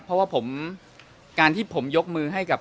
เพราะว่าผมการที่ผมยกมือให้กับ